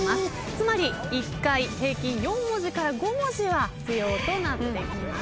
つまり１回平均４文字から５文字は必要となってきます。